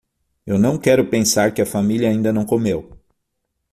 Eu não quero pensar que a família ainda não comeu.